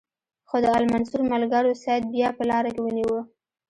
خو د المنصور ملګرو سید بیا په لاره کې ونیو.